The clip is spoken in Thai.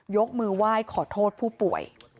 ยกมือไหว้ขอโทษผู้ป่วย